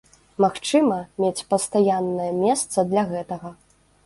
Магчыма, мець пастаяннае месца для гэтага.